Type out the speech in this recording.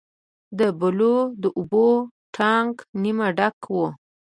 د بلو د اوبو ټانک نیمه ډک و.